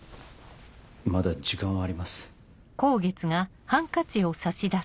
まだ時間はあります。